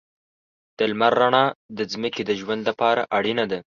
د لمر رڼا د ځمکې د ژوند لپاره اړینه ده.